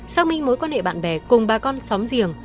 xác minh mối quan hệ bạn bè cùng bà con xóm giềng